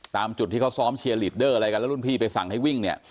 ตามจุดที่เขาซ้อมเชียร์ลีดเดอร์อะไรกันแล้วรุ่นพี่ไปสั่งให้วิ่งเนี่ย